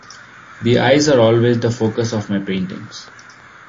The eyes are always the focus of my paintings.